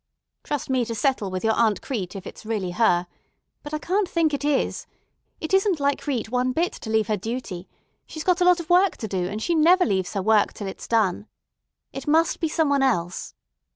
"Trust me to settle with your Aunt Crete if it's really her. But I can't think it is. It isn't like Crete one bit to leave her duty. She's got a lot of work to do, and she never leaves her work till it's done. It must be some one else.